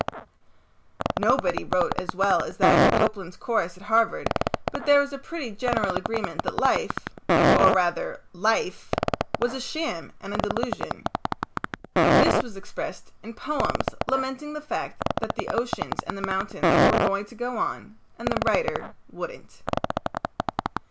Nobody wrote as well as that in Copeland's course at Harvard but there was a pretty general agreement that life or rather Life was a sham and a delusion. This was expressed in poems lamenting the fact that the oceans and the mountains were going to go on and that the writer wouldn't.